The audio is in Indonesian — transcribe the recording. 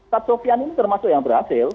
kak sofyan ini termasuk yang berhasil